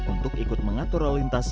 untuk ikut mengatur lalu lintas